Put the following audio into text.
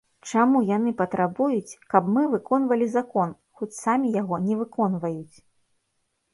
Чаму яны патрабуюць, каб мы выконвалі закон, хоць самі яго не выконваюць?